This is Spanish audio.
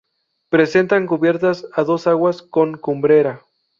Presentan cubiertas a dos aguas con cumbrera.